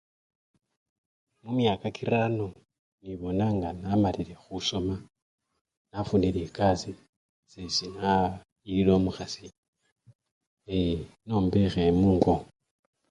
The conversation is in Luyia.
Mumyaka kirano nibona nga namalile khusoma, nafunile ekasii, sesi nayilile omukhasi, yee! nombekhe mungo.